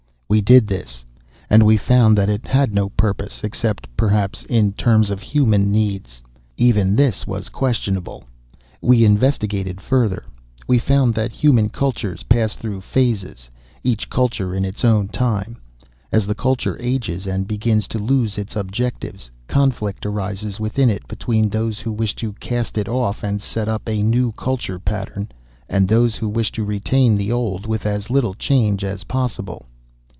We did this, and we found that it had no purpose, except, perhaps, in terms of human needs. Even this was questionable. "We investigated further. We found that human cultures pass through phases, each culture in its own time. As the culture ages and begins to lose its objectives, conflict arises within it between those who wish to cast it off and set up a new culture pattern, and those who wish to retain the old with as little change as possible.